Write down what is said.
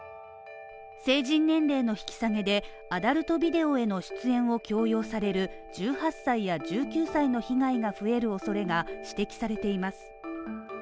成人年齢の引き下げでアダルトビデオへの出演を強要される１８歳や１９歳の被害が増えるおそれが指摘されています。